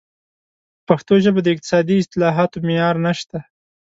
په پښتو ژبه د اقتصادي اصطلاحاتو معیار نشته.